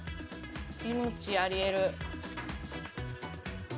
キムチありえる。